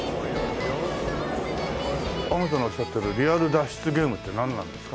あなたのおっしゃってるリアル脱出ゲームってなんなんですか？